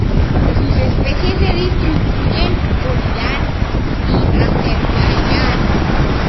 Sus especies se distribuyen por Irán y Azerbaiyán.